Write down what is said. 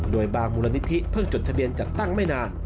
โดยบางมูลนิธิเพิ่งจดทะเบียนจัดตั้งไม่นาน